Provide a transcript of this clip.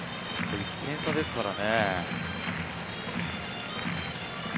１点差ですからね。